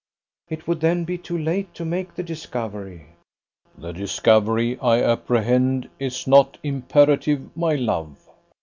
"It would then be too late to make the discovery." "The discovery, I apprehend, is not imperative, my love."